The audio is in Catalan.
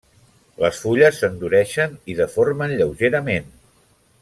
Les fulles s'endureixen i deformen lleugerament.